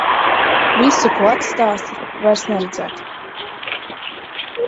Visu, ko atstāsi, vairs neredzēt.